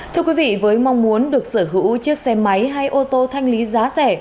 thưa quý vị với mong muốn được sở hữu chiếc xe máy hay ô tô thanh lý giá rẻ